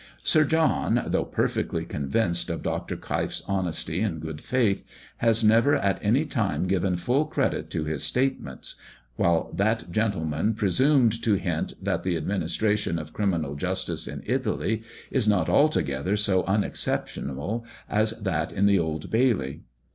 Sir John, though perfectly convinced of Dr. Keif's honesty and good faith, has never at any time given full credit to his statements when that gentleman presumed to hint that the administration of criminal justice in Italy is not altogether so unexceptionable as that at the Old Bailey.